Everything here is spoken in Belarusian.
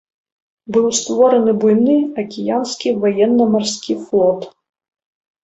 Быў створаны буйны акіянскі ваенна-марскі флот.